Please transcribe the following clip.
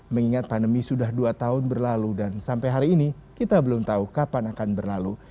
mengingat pandemi sudah dua tahun berlalu dan sampai hari ini kita belum tahu kapan akan berlalu